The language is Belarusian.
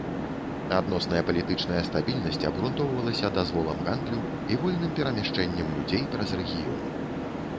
Адносная палітычная стабільнасць абгрунтоўвалася дазволам гандлю і вольным перамяшчэннем людзей праз рэгіён.